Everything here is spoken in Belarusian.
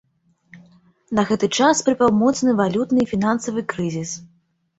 На гэты час прыпаў моцны валютны і фінансавы крызіс.